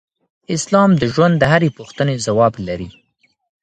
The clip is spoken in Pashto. اسلام د ژوند د هرې پوښتنې ځواب لري.